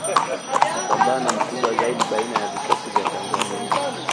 Mpambano mkubwa zaidi baina ya vikosi vya Tanzania